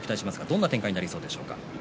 どんな展開になりそうでしょうか。